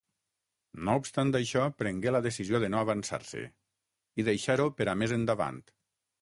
No obstant això, prengué la decisió de no avançar-se, i deixar-ho per a més endavant.